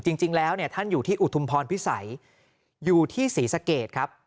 จริงแล้วเนี่ยท่านอยู่ที่อุทุมพรพิสัยอยู่ที่ศรีสะเกดครับ